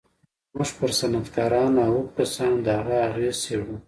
موږ پر صنعتکارانو او هغو کسانو د هغه اغېز څېړو